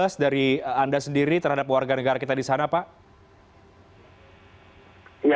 apa imbauan dari kedubes dari anda sendiri terhadap warga negara kita di sana pak